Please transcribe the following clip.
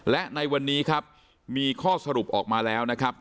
และในวันนี้ครับมีข้อสรุปออกมาแล้วนะครับ